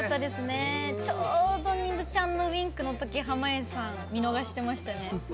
ちょうど丹生ちゃんのウインクのとき濱家さん、見逃してましたね。